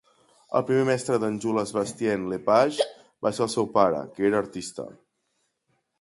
El primer mestre d'en Jules Bastien-Lepage va ser el seu pare, que era artista.